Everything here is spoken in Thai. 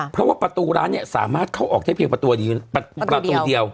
เพราะว่าประตูร้านเนี่ยสามารถเข้าออกได้เพียงประตูเดียว